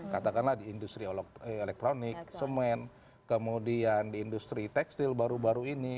katakanlah di industri elektronik semen kemudian di industri tekstil baru baru ini